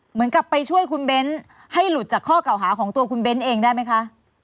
เหมือนกับไปช่วยคุณเบ้นให้หลุดจากข้อเก่าหาของตัวคุณเบ้นเองได้ไหมคะ